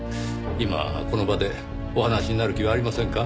今この場でお話しになる気はありませんか？